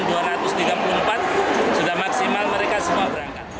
sudah maksimal mereka semua berangkat